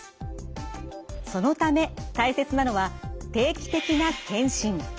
そのため大切なのは定期的な検診。